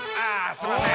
すいません